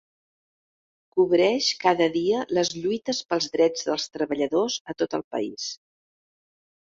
Cobreix cada dia les lluites pels drets dels treballadors a tot el país.